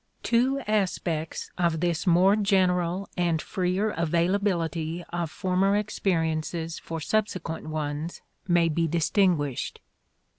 Two aspects of this more general and freer availability of former experiences for subsequent ones may be distinguished.